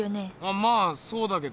まあそうだけど。